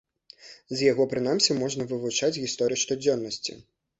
З яго прынамсі можна вывучаць гісторыю штодзённасці.